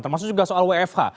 itu juga soal wfh